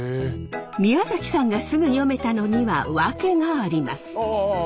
宮崎さんがすぐ読めたのには訳があります。